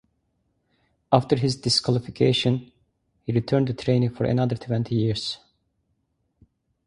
After his disqualification he returned to training for another twenty years.